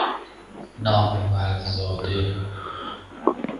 نامور زاده